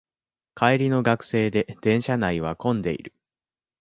帰りの学生で電車内は混んでいる